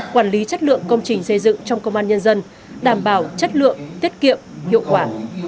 quản lý chất lượng công trình xây dựng trong công an nhân dân đảm bảo chất lượng tiết kiệm hiệu quả